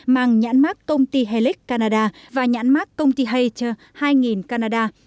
mang nhãn mát công ty helix canada và nhãn mát công ty hater hai nghìn canada